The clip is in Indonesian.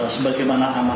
sebagaimana akan berjalan